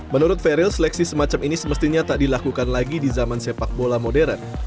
menurut very seleksi semacam ini semestinya tak dilakukan lagi di zaman sepak bola modern